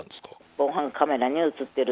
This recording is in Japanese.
防犯カメラに写ってる、